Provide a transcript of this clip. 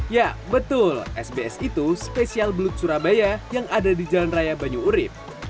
ya betul sbs itu spesial belut surabaya yang ada di jalan raya banyu urib